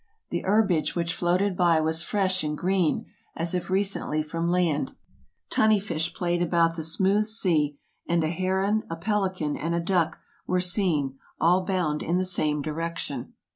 The herbage which floated* by was fresh and green, as if recently from land. Tunny fish played about the smooth sea, and a heron, a pelican, and a duck, were seen, all bound in the same direction.